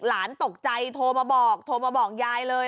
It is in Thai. หลานตกใจโทรมาบอกโทรมาบอกยายเลย